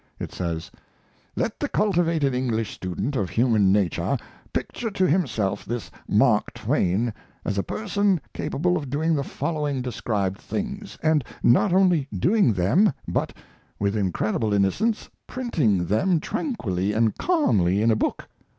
It says: Let the cultivated English student of human nature picture to himself this Mark Twain as a person capable of doing the following described things; and not only doing them, but, with incredible innocence, printing them tranquilly and calmly in a book.